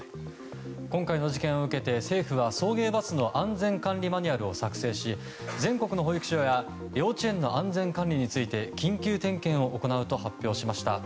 今回の事件を受けて政府は安全管理マニュアルを作成し、全国の保育所や幼稚園の安全管理について緊急点検を行うと発表しました。